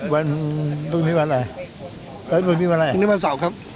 วันตรงนี้วันอะไรเออตรงนี้วันอะไรตรงนี้วันเสาร์ครับ